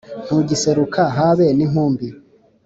Ntugiseruka habe ninkumbi.